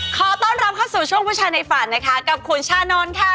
ขอต้อนรับเข้าสู่ช่วงผู้ชายในฝันนะคะกับคุณชานนท์ค่ะ